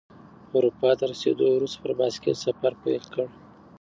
اروپا ته رسیدو وروسته پر بایسکل سفر پیل کړ.